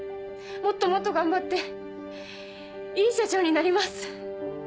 もっともっと頑張っていい社長になります！